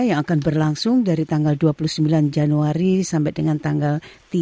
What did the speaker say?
yang akan berlangsung dari tanggal dua puluh sembilan januari sampai dengan tanggal